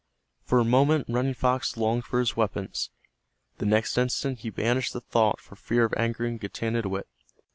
For a moment Running Fox longed for his weapons. The next instant he banished the thought for fear of angering Getanittowit.